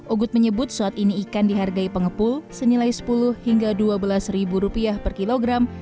ugut menyebut saat ini ikan dihargai pengepul senilai sepuluh hingga dua belas ribu rupiah per kilogram